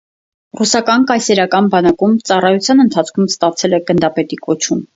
Ռուսական կայսերական բանակում ծառայության ընթացքում ստացել է գնդապետի կոչում։